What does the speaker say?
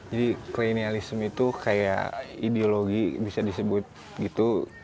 jadi kleanalisa itu kayak ideologi bisa disebut gitu